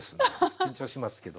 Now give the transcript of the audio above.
緊張しますけど。